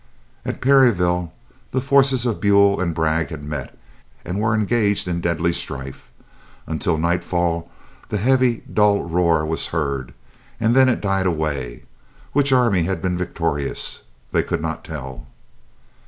At Perryville the forces of Buell and Bragg had met, and were engaged in deadly strife. Until nightfall the heavy dull roar was heard, and then it died away. Which army had been victorious? They could not tell.